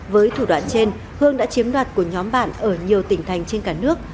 với thủ đoạn trên hương đã chiếm đoạt của nhóm bạn ở nhiều tỉnh thành trên cả nước